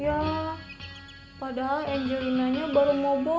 ya padahal angelinanya baru mau bobok